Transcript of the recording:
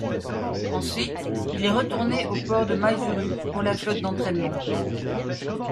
Ensuite il est retourné au port de Maizuru pour la flotte d'entraînement.